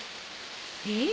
えっ？